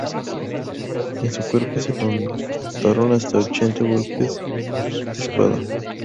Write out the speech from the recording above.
En su cuerpo se contaron hasta ochenta golpes de espada.